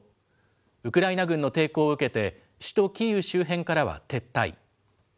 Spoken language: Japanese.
ウクライナ軍の抵抗を受けて、首都キーウ周辺からは撤退。